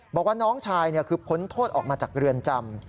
บอกว่าน้องชายคือพ้นโทษออกมาจากเรือนจำ